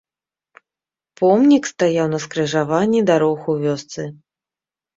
Помнік стаяў на скрыжаванні дарог у вёсцы.